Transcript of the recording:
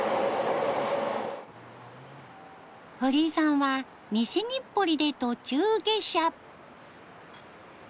堀井さんは西日暮里で途中下車。